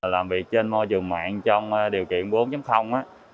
làm việc trên môi trường mạng trong điều kiện bốn